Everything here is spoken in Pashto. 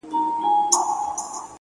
• پاس د وني په ښاخونو کي یو مار وو,